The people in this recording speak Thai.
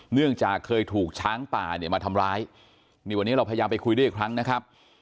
เนื่องจากเคยถูกช้างป่าเนี่ยมาทำร้ายนี่วันนี้เราพยายามไปคุยด้วยอีกครั้งนะครับ